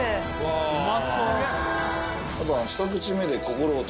うまそう。